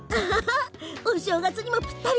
お正月にもぴったり。